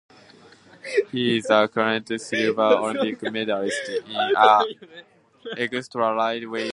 He is the current silver Olympic medalist in the Extra Lightweight event.